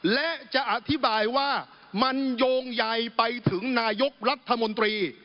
และจะอธิบายว่ามันโยงใยไปถึงนายกรัฐมนตรี